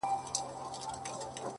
ستا هغه ګوته طلایي چیري ده،